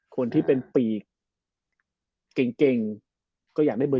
คนที่เป็นปีกเก่งก็อยากได้เบอร์